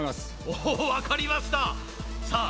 おお分かりましたさあ